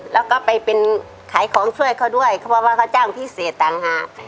แล้วก็ไปเป็นขายของช่วยเขาด้วยเขาบอกว่าเขาจ้างพิเศษต่างหาก